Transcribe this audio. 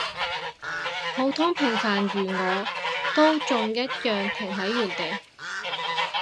普通平凡如我，都仲一樣停喺原地